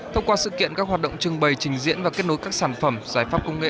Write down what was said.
thông qua sự kiện các hoạt động trưng bày trình diễn và kết nối các sản phẩm giải pháp công nghệ